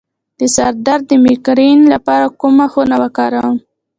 د سر درد د میګرین لپاره کومه خونه وکاروم؟